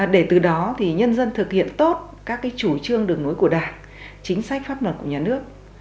để từ đó thì nhân dân thực hiện tốt các chủ trương đường nối của đảng chính sách pháp luật của nhà nước